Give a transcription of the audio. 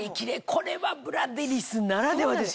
これはブラデリスならではですよ。